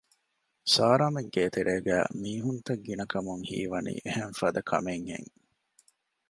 ސާރާމެން ގޭތެރޭގައި މީހުންތައް ގިނަކަމުން ހީވަނީ އެހެން ފަދަ ކަމެއް ހެން